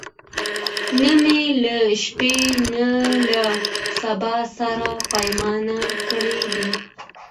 نه می له شپې نه له سبا سره پیمان کړی دی